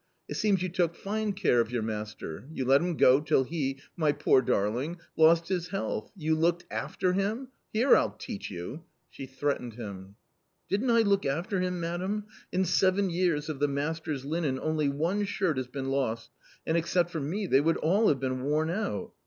It seems you took fine care of your master ; you let him go till he — my poor darling — lost his health ! You looked after him ! Here I'll teach you " She threatened him. " Didn't I look after him, madam ? In seven years of the master's linen only one shirt has been lost, and except for me they would all have been worn out."